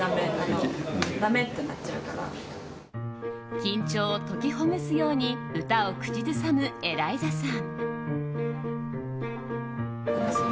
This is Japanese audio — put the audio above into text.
緊張を解きほぐすように歌を口ずさむエライザさん。